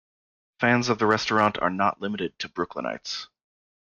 Fans of the restaurant are not limited to Brooklynites.